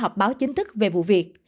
họp báo chính thức về vụ việc